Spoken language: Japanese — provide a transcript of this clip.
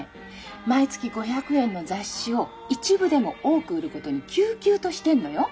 毎月５００円の雑誌を一部でも多く売ることにきゅうきゅうとしてんのよ？